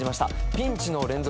ピンチの連続。